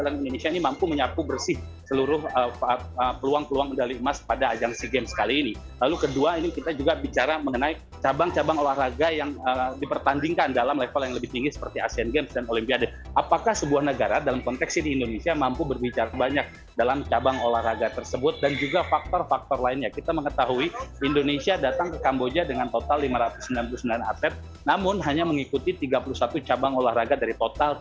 dalam indonesia ini mampu menyapu bersih seluruh peluang peluang medali emas pada ajang si game sekali ini lalu kedua ini kita juga bicara mengenai cabang cabang olahraga yang dipertandingkan dalam level yang lebih tinggi seperti asean games dan olimpiade apakah sebuah negara dalam konteks ini indonesia mampu berbicara banyak dalam cabang olahraga tersebut dan juga faktor faktor lainnya kita mengetahui indonesia datang ke kamboja dengan total lima ratus sembilan puluh sembilan atlet namun hanya mengikuti tiga puluh satu cabang olahraga dari total lima ratus sembilan puluh sembilan atlet